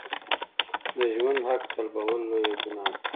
د ژوند حق سلبول لویه ګناه ده.